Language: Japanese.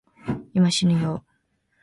今、しぬよぉ